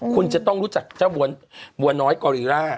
คุณจะต้องรู้จักเจ้าบัวน้อยกอรีร่า